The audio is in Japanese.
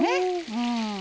うん。